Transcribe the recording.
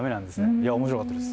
いや面白かったです。